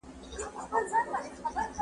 موسيقي د زهشوم له خوا اورېدلې کيږي